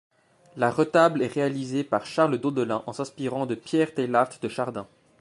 La retable est réalisée par Charles Daudelin en s'inspirant de Pierre Teilhard de Chardin.